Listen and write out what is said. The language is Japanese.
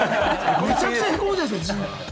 めちゃくちゃヘコむじゃないですか。